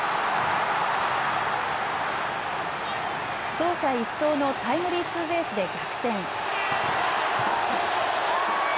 走者一掃のタイムリーツーベースで逆転。